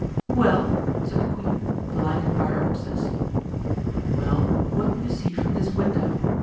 "Well?" said the queen, blinded by her obstinacy. "Well, what do you see from this window?